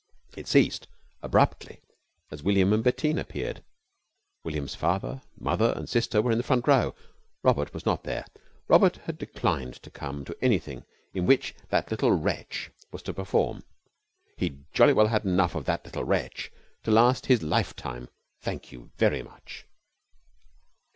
It ceased abruptly as William and Bettine appeared. William's father, mother and sister were in the front row. Robert was not there. Robert had declined to come to anything in which that little wretch was to perform. He'd jolly well had enough of that little wretch to last his lifetime, thank you very much.